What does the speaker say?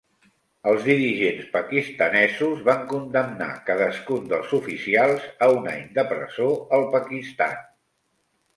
Els dirigents pakistanesos van condemnar cadascun dels oficials a un any de presó al Pakistan.